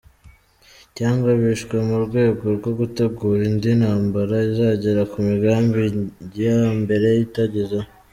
Cyangwa bishwe mu rwego rwo gutegura indi ntambara izagera ku migambi iya mbere itagezeho?